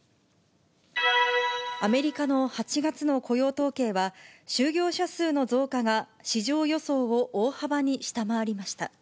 アメリカの８月の雇用統計は、就業者数の増加が市場予想を大幅に下回りました。